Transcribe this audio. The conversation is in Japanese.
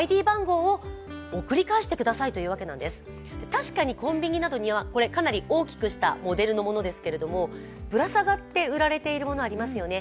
確かにコンビニなどには、これかなり大きくしたモデルのものですけれどぶら下がって売られているものありますよね。